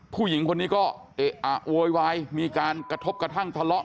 ผู้หญิงคนนี้ก็เอะอะโวยวายมีการกระทบกระทั่งทะเลาะ